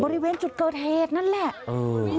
บริเวณจุดเกอร์เทศนั่นแหละอือฮือ